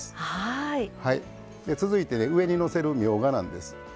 続いてね上にのせるみょうがなんです。